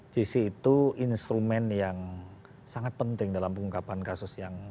gc itu instrumen yang sangat penting dalam pengungkapan kasus yang